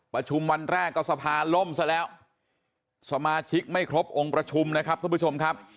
ประชุมวันแรกก็สภาล่มซะแล้วสมาชิกไม่ครบองค์ประชุมนะครับท่านผู้ชมครับ